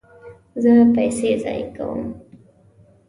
زه پیسې ضایع کوم